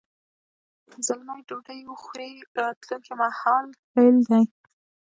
زلمی ډوډۍ وخوري راتلونکي مهال فعل دی.